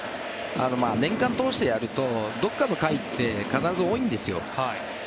年間通してやるとどこかの回って必ず多いんですよ。